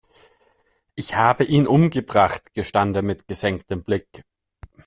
Ich habe ihn umgebracht, gestand er mit gesenktem Blick.